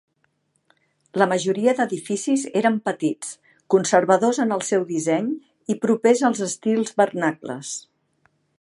La majoria d'edificis eren petits, conservadors en el seu disseny i propers als estils vernacles.